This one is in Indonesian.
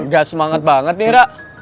ga semangat banget nih ra